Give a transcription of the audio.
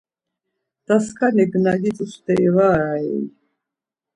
Daskanik na gitzu steri var arei?